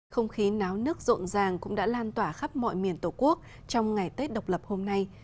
không khí náo nước rộn ràng cũng đã lan tỏa khắp mọi miền tổ quốc trong ngày tết độc lập hôm nay